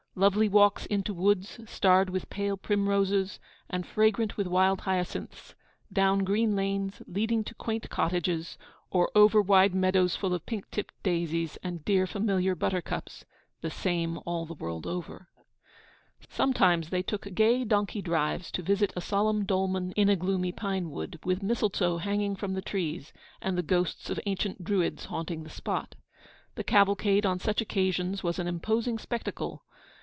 Lovely walks into woods, starred with pale primroses, and fragrant with wild hyacinths; down green lanes, leading to quaint cottages, or over wide meadows full of pink tipped daisies and dear familiar buttercups, the same all the world over. Sometimes they took gay donkey drives to visit a solemn dolmen in a gloomy pine wood, with mistletoe hanging from the trees, and the ghosts of ancient Druids haunting the spot. The cavalcade on such occasions was an imposing spectacle.